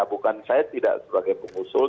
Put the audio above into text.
bukan saya tidak sebagai pengusul